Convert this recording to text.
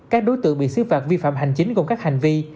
các đối tượng bị xử phạt vi phạm hành chính cùng các hành vi